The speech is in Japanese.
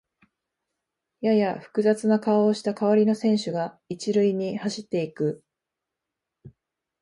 やや複雑な顔をした代わりの選手が一塁に走っていく